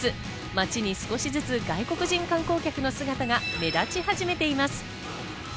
街に少しずつ、外国人観光客の姿が目立ち始めています。